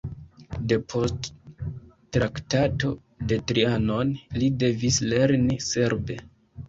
Depost Traktato de Trianon li devis lerni serbe.